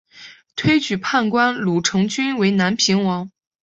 推举判官卢成均为南平王。